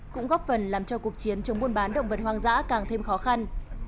cũng góp phần làm cho cuộc chiến chống buôn bán động vật hoang dã càng thêm khó khăn